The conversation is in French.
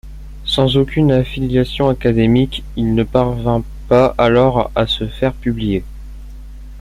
Sans aucune affiliation académique, il ne parvint pas alors à se faire publier.